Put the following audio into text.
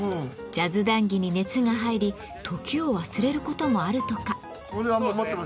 ジャズ談義に熱が入り時を忘れることもあるとか。